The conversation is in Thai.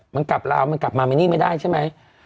มันกลับลาวมันกลับมามินนี่ไม่ได้ใช่ไหม